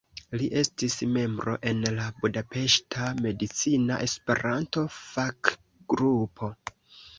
Li estis membro en la Budapeŝta Medicina Esperanto-Fakgrupo.